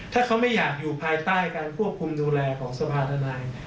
ถ้าเขาไม่อยากอยู่ภายใต้การควบคุมดูแลของสภาธนาย